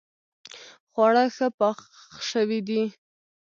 خواړه ښه پخ شوي دي